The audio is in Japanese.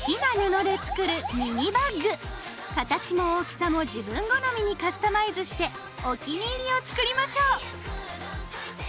形も大きさも自分好みにカスタマイズしてお気に入りを作りましょう。